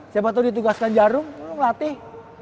siapa tau ditugaskan jarum lo ngelatih